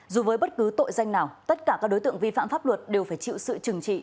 dù với bất cứ tội danh nào tất cả các đối tượng vi phạm pháp luật đều phải chịu sự trừng trị